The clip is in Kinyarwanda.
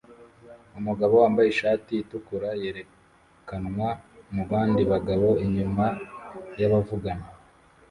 Umugabo wambaye ishati itukura yerekanwa mubandi bagabo inyuma bavugana